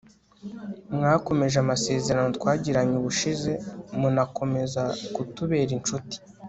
mwakomeje amasezerano twagiranye ubushize munakomeza kutubera incuti